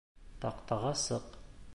Таҡтаға сыҡ